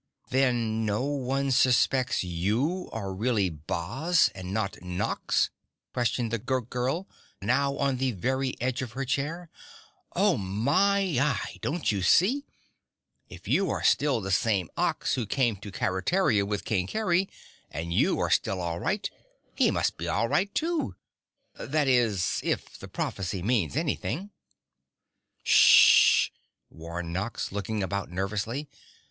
"Then no one suspects you are really Boz and not NOX?" questioned the Goat Girl, now on the very edge of her chair. "Oh, my y, but don't you see, if you are still the same Ox who came to Keretaria with King Kerry and you are still all right, he must be all right, too. That is, if the prophecy means anything." "Sh hh!" warned Nox, looking about nervously.